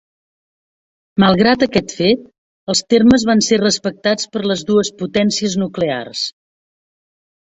Malgrat aquest fet, els termes van ser respectats per les dues potències nuclears.